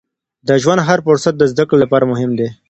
د ژوند هر فرصت د زده کړې لپاره مهم دی.